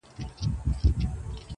هغه نجلۍ چي ژاړي، هاغه د حوا په ښايست,